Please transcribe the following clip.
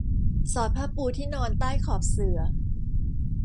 สอดผ้าปูที่นอนใต้ขอบเสื่อ